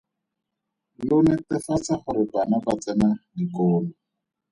Lo netefatsa gore bana ba tsena dikolo.